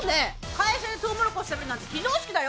会社でとうもろこし食べるなんて非常識だよ！